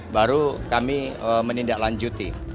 baru kami menindaklanjuti